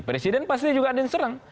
presiden pasti juga ada yang serang